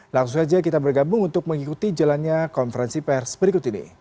langsung saja kita bergabung untuk mengikuti jalannya konferensi pers berikut ini